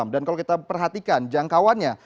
dan kalau kita perhatikan jangkauannya